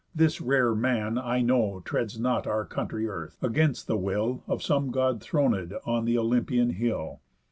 This rare man, I know, Treads not our country earth, against the will Of some God thronéd on th' Olympian hill.